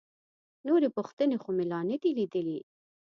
نورې پوښتنې خو مې لا نه دي لیدلي.